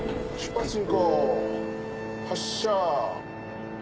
発車。